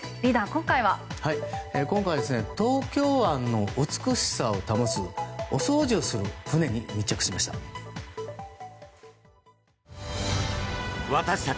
今回東京湾の美しさを保つお掃除をする船に密着しました。